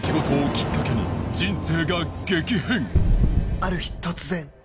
ある日突然